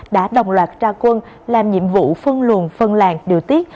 đã đồng loạt ra quân làm nhiệm vụ phân luồn phân làng điều tiết